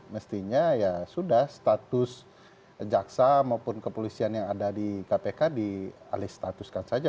mestinya ya sudah status jaksa maupun kepolisian yang ada di kpk dialih statuskan saja